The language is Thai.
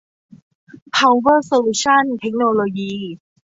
เพาเวอร์ โซลูชั่น เทคโนโลยี